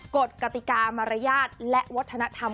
กฎกติกามารยาทและวัฒนธรรม